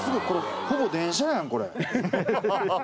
これほぼ電車やんこれ。